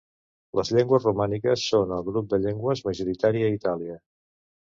Les llengües romàniques són el grup de llengües majoritari a Itàlia.